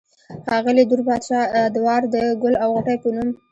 ښاغلي دور بادشاه ادوار د " ګل او غوټۍ" پۀ نوم